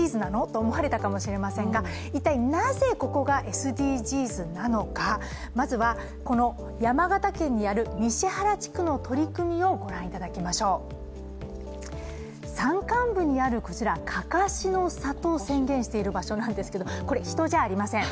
と思われたかもしれませんが一体なぜここがＳＤＧｓなのか、まずは山形県にある西原地区の取り組みをご覧いただきましょう山間部にある、こちら、かかしの郷を宣言している場所なんですけどこれ、人じゃありません。